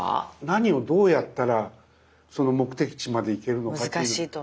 何をどうやったらその目的地まで行けるのかという。